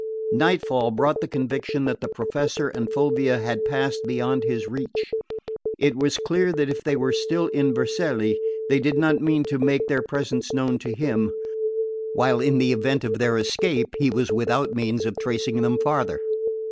Nightfall brought the conviction that the Professor and Fulvia had passed beyond his reach. It was clear that if they were still in Vercelli they did not mean to make their presence known to him, while in the event of their escape he was without means of tracing them farther.